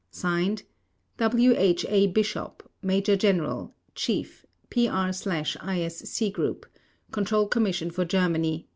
/s/ W. H. A. BISHOP Major General, Chief, PR/ISC Group. Control Commission for Germany (B.